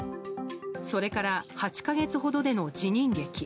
それから８か月ほどでの辞任劇。